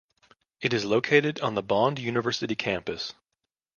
It is located on the Bond University campus.